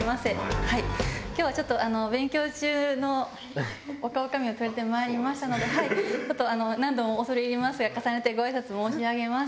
今日はちょっと勉強中の若女将を連れてまいりましたので何度も恐れ入りますが重ねてご挨拶申し上げます。